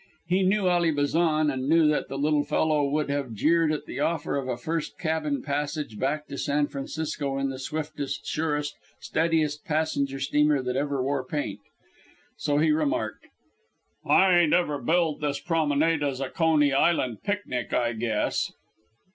He knew Ally Bazan, and knew that the little fellow would have jeered at the offer of a first cabin passage back to San Francisco in the swiftest, surest, steadiest passenger steamer that ever wore paint. So he remarked: "I ain't ever billed this promenade as a Coney Island picnic, I guess."